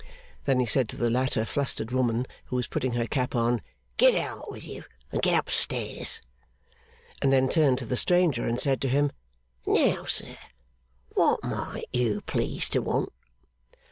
Then he said to the latter flustered woman, who was putting her cap on, 'Get out with you, and get up stairs!' and then turned to the stranger and said to him, 'Now, sir, what might you please to want?